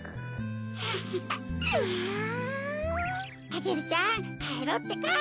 アゲルちゃんかえろうってか。